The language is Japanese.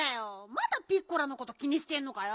まだピッコラのこと気にしてんのかよ。